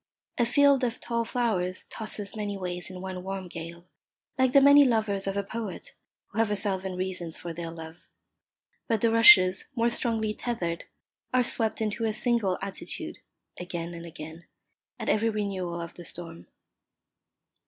A field of tall flowers tosses many ways in one warm gale, like the many lovers of a poet who have a thousand reasons for their love; but the rushes, more strongly tethered, are swept into a single attitude, again and again, at every renewal of the storm.